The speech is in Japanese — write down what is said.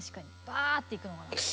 バーッていくのが。